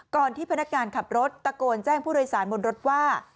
ที่พนักการขับรถตะโกนแจ้งผู้โดยสารบนรถว่า